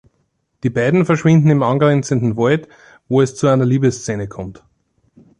Die beiden verschwinden im angrenzenden Wald, wo es zu einer Liebesszene kommt.